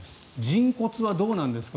人骨はどうなんですか。